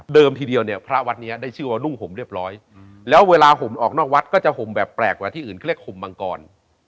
ทีเดียวเนี่ยพระวัดนี้ได้ชื่อว่านุ่งห่มเรียบร้อยแล้วเวลาห่มออกนอกวัดก็จะห่มแบบแปลกกว่าที่อื่นเขาเรียกห่มมังกร